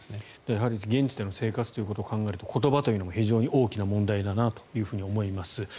やはり現地での生活ということを考えると言葉というのも非常に大きな問題だなと思います。